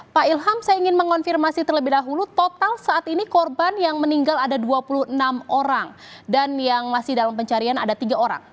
pak ilham saya ingin mengonfirmasi terlebih dahulu total saat ini korban yang meninggal ada dua puluh enam orang dan yang masih dalam pencarian ada tiga orang